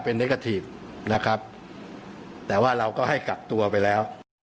เป็นนะครับแต่ว่าเราก็ให้กลับตัวไปแล้ว